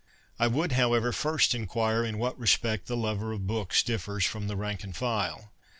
I would, however, first inquire in what respect the lover of books differs from the rank and file